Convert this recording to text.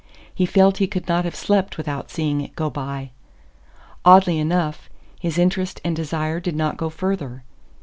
He felt he could not have slept without seeing it go by. Oddly enough, his interest and desire did not go further.